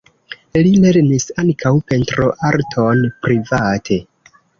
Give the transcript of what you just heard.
Li lernis ankaŭ pentroarton private.